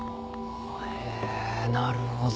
へぇなるほど。